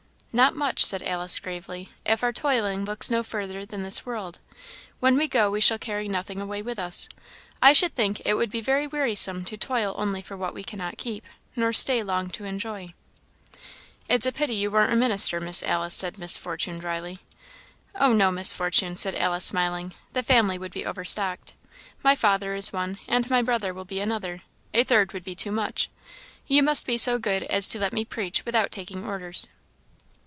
"Not much," said Alice, gravely, "if our toiling looks no further than this world. When we go we shall carry nothing away with us. I should think it would be very wearisome to toil only for what we cannot keep, nor stay long to enjoy." "It's a pity you warn't a minister, Miss Alice," said Miss Fortune, drily. "Oh, no, Miss Fortune," said Alice, smiling, "the family would be overstocked. My father is one, and my brother will be another a third would be too much. You must be so good as to let me preach without taking orders."